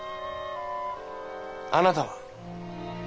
あなたは？